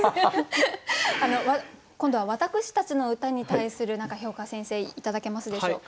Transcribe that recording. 今度は私たちの歌に対する評価先生頂けますでしょうか。